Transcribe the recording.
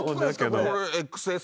ＸＳ！？